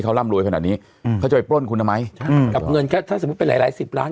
เขาร่ำรวยขนาดนี้อืมเขาจะไปปล้นคุณไหมใช่อืมกับเงินแค่ถ้าสมมุติเป็นหลายหลายสิบล้าน